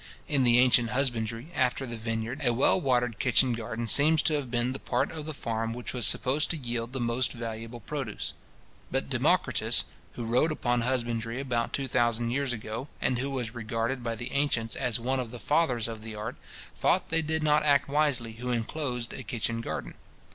In the ancient husbandry, after the vineyard, a well watered kitchen garden seems to have been the part of the farm which was supposed to yield the most valuable produce. But Democritus, who wrote upon husbandry about two thousand years ago, and who was regarded by the ancients as one of the fathers of the art, thought they did not act wisely who inclosed a kitchen garden.